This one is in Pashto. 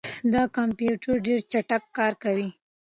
دا کمپیوټر ډېر چټک کار کوي.